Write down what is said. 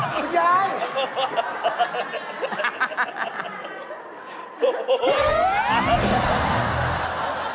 หรือยาย